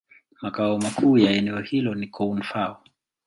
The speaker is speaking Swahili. Makao makuu ya eneo hilo ni Koun-Fao.